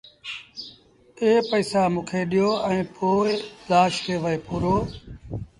اي پئيٚسآ موݩ کي ڏيو ائيٚݩ پو لآش کي وهي پورو